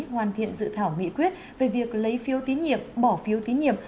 hoàn thiện dự thảo nghị quyết về việc lấy phiếu tín nhiệm bỏ phiếu tín nhiệm